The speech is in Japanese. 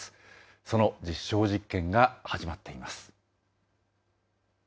その実証実験が始まっています。